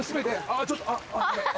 あちょっとあっ。